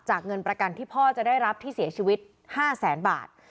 เงินประกันที่พ่อจะได้รับที่เสียชีวิต๕แสนบาท